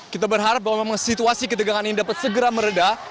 kita berharap bahwa memang situasi ketegangan ini dapat segera meredah